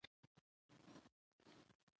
تاريخ ليکونکو له ظالمانو اتلان جوړ کړي دي.